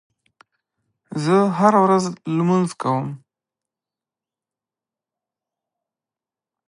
زه هره ورځ لمونځ کوم.